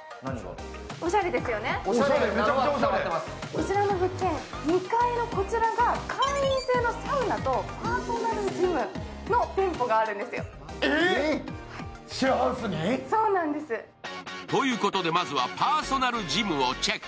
こちらの物件、２階のこちらが会員制のサウナとパーソナルジムの店舗があるんですよ。ということでまずはパーソナルジムをチェック。